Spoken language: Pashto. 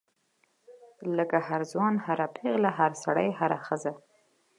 لکه هر ځوان هر پیغله هر سړی هره ښځه.